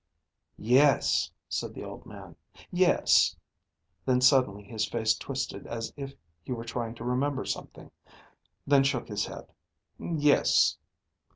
"Yes," said the old man. "Yes." Then suddenly his face twisted as if he were trying to remember something. Then shook his head. "Yes."